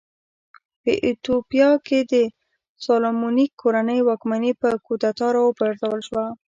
په ایتوپیا کې د سالومونیک کورنۍ واکمني په کودتا راوپرځول شوه.